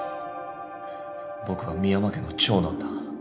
僕は深山家の長男だ。